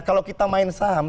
kalau kita main saham